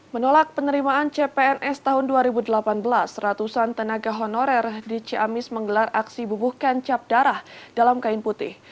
menolak penerimaan cpns tahun dua ribu delapan belas ratusan tenaga honorer di ciamis menggelar aksi bubuh kencap darah dalam kain putih